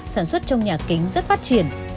sản xuất trong nhà kính rất phát triển